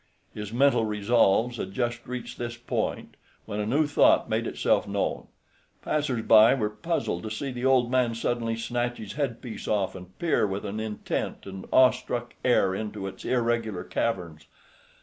His mental resolves had just reached this point when a new thought made itself known. Passersby were puzzled to see the old man suddenly snatch his headpiece off and peer with an intent and awestruck air into its irregular caverns.